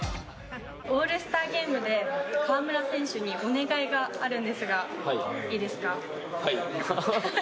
オールスターゲームで河村選手にお願いがあるんですが、はい。